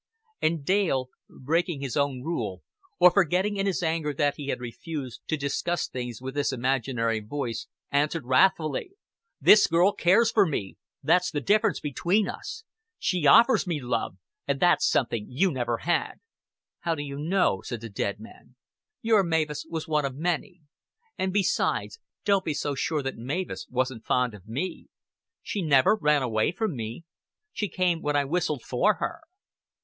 And Dale, breaking his own rule, or forgetting in his anger that he had refused to discuss things with this imaginary voice, answered wrathfully. "This girl cares for me that's the difference between us. She offers me love. And that's something you never had." "How do you know?" said the dead man. "Your Mavis was one of many. And, besides, don't be so sure that Mavis wasn't fond of me. She never ran away from me. She came when I whistled for her."